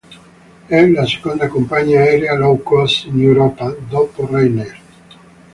È la seconda compagnia aerea Low Cost in Europa dopo Ryanair.